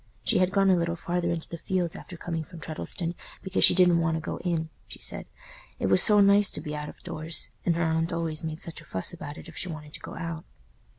She had gone a little farther into the fields after coming from Treddleston because she didn't want to go in, she said: it was so nice to be out of doors, and her aunt always made such a fuss about it if she wanted to go out.